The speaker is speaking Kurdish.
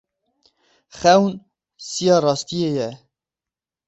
Xewn siya rastiyê ye.